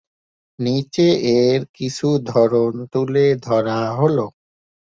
নিচে এর কিছু ধরন তুলে ধরা হলো।